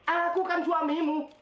aku kan suamimu